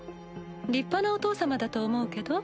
立派なお父様だと思うけど？